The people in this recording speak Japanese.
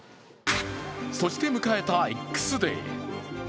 そして迎えたＸデー。